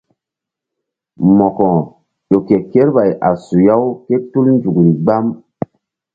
Mo̧ko ƴo ke kerɓay a suya-u ké tul nzukri gbam.